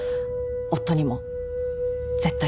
夫にも絶対に。